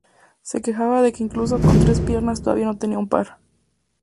Se quejaba de que incluso con tres piernas, todavía no tenía un par.